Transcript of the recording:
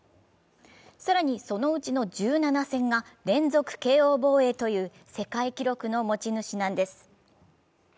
さらにそのうちの１７戦が連続ＫＯ防衛という世界記録の持ち主なんです。